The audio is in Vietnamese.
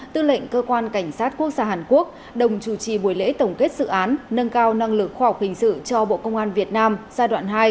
tư lệnh cơ quan cảnh sát quốc gia hàn quốc đồng chủ trì buổi lễ tổng kết dự án nâng cao năng lực khoa học hình sự cho bộ công an việt nam giai đoạn hai